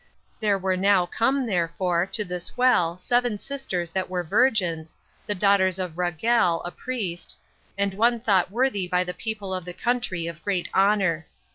There were now come, therefore, to this well seven sisters that were virgins, the daughters of Raguel, a priest, and one thought worthy by the people of the country of great honor.